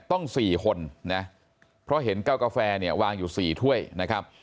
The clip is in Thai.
ต้อง๔คนนะเพราะเห็นเก้ากาแฟเนี่ยวางอยู่๔ถ้วยนะครับ